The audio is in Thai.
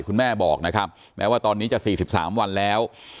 คุณแม่บอกนะครับแม้ว่าตอนนี้จะ๔๓วันแล้ว